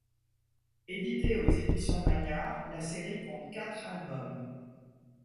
Édité aux éditions Magnard, la série compte quatre albums.